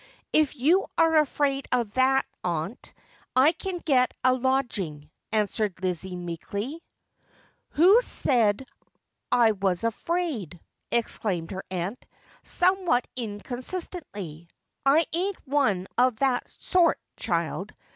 ' If you are afraid of that, aunt, I can get a lodging; answered Lizzie meeklw ' Who said I was afraid 1 ' exclaimed her aunt, somewhat in consistently. ' I ain't one of that sort, child.